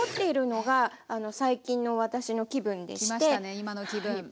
今の気分。